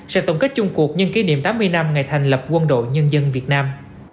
sẽ tổng kết chung cuộc nhân kỷ niệm tám mươi năm ngày thành lập quân đội nhân dân việt nam